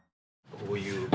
こういう。